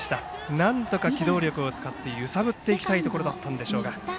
なんとか機動力を使って揺さぶっていきたいところだったんでしょうが。